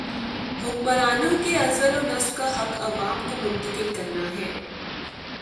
حکمرانوں کے عزل و نصب کا حق عوام کو منتقل کرنا ہے۔